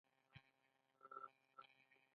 د چای پاڼې وچول کیږي